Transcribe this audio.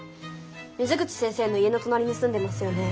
水口先生の家の隣に住んでますよね？